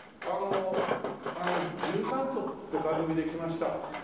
あの『じゅん散歩』って番組で来ました